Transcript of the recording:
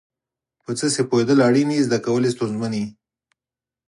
په څه چې پوهېدل اړین وي زده کول یې ستونزمن وي.